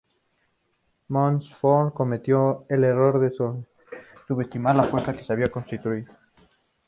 Montfort cometió el error de subestimar la fuerza que se había constituido.